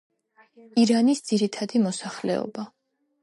ირანის ძირითადი მოსახლეობა.